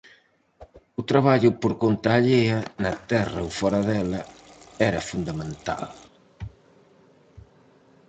O traballo por conta allea, na terra ou fóra dela, era fundamental.